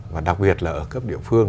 và đặc biệt là ở cấp địa phương